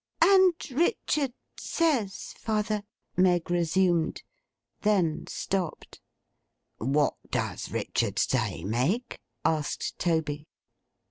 'And Richard says, father—' Meg resumed. Then stopped. 'What does Richard say, Meg?' asked Toby.